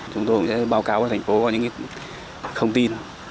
chúng tôi cũng sẽ báo cáo cho thành phố có những cái thông tin